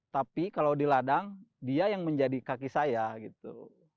tapi kalau di ladang dia yang menjadi kaki saya gitu